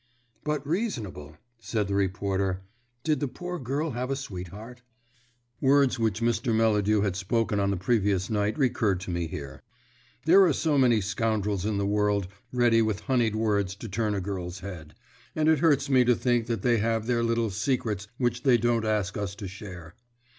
"But reasonable," said the reporter. "Did the poor girl have a sweetheart?" Words which Mr. Melladew had spoken on the previous night recurred to me here. "There are so many scoundrels in the world ready with honeyed words to turn a girl's head; and it hurts me to think that they have their little secrets which they don't ask us to share."